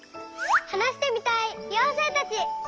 はなしてみたいようせいたち！